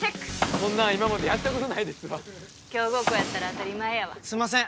こんなん今までやったことないですわ強豪校やったら当たり前やわすんません